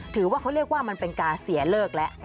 ถือว่าเขาเรียกว่ามันเป็นการเสียเลิกแล้ว